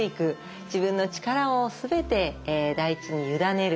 自分の力を全て大地に委ねる。